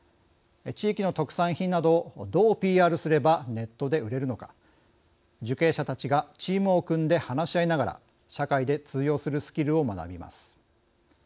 地域の特産品などをどうＰＲすればネットで売れるのか受刑者たちがチームを組んで話し合いながら社会で通用するスキルを学びます。